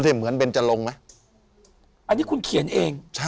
๖ชั่วโมงอือ